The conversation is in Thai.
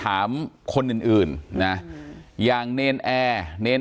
การแก้เคล็ดบางอย่างแค่นั้นเอง